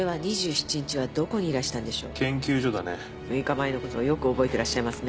６日前のことをよく覚えていらっしゃいますね。